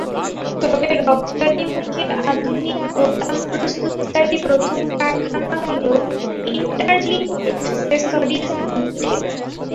তবে রপ্তানিমুখী আধুনিক বোতাম প্রস্তুতকারী প্রথম কারখানা হলো ইন্টারলিংক এক্সেসরিজ লিমিটেড।